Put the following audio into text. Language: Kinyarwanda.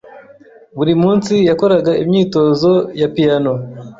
Buri munsi yakoraga imyitozo ya piyano.